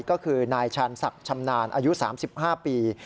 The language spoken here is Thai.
ก็คือนายชาญศักดิ์ชำนาญอายุ๓๕ปี